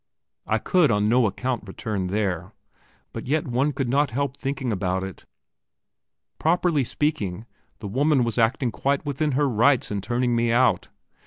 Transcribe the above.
I could on no account return there; but yet one could not help thinking about it. Properly speaking, the woman was acting quite within her rights in turning me out.